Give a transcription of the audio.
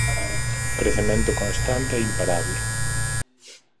"Crecemento constante e imparable".